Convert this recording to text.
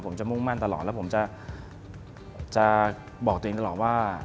ผมจะมุ่งมั่นตลอดแล้วผมจะบอกตัวเองตลอดว่า